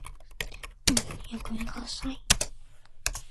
He also composed music for Radio Pakistan.